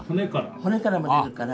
骨からも出るから。